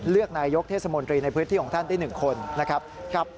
เลือกนายกเทศมนตรีในพื้นที่ของท่านได้๑คนนะครับ